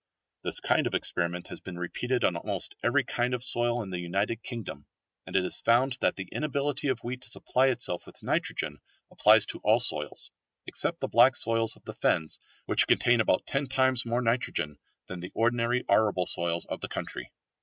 This kind of experiment has been repeated on almost every kind of soil in the United Kingdom, and it is found that the inability of wheat to supply itself with nitrogen applies to all soils, except the black soils of the Fens which contain about ten times more nitrogen than the ordinary arable soils of the country.